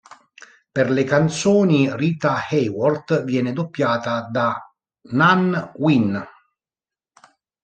Per le canzoni Rita Hayworth viene doppiata da Nan Wynn.